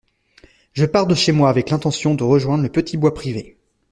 Je pars de chez moi avec l’intention de rejoindre le petit bois privé.